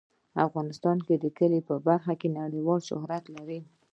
افغانستان د کلي په برخه کې نړیوال شهرت لري.